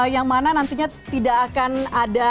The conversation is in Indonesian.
yang mana nantinya tidak akan ada